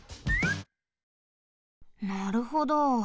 なるほど。